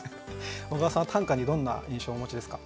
小川さんは短歌にどんな印象をお持ちですか？